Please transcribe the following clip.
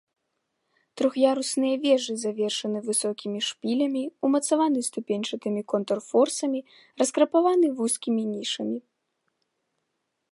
Трох'ярусныя вежы завершаны высокімі шпілямі, умацаваны ступеньчатымі контрфорсамі, раскрапаваны вузкімі нішамі.